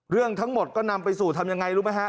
เรื่องทั้งหมดก็นำไปสู่ทำยังไงรู้ไหมฮะ